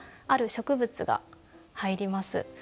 ある植物が入ります。